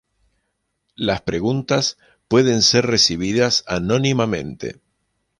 Las preguntas pueden ser recibidas anónimamente.